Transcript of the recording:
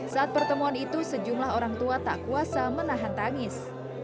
saat pertemuan itu sejumlah orang tua tak kuasa menahan tangis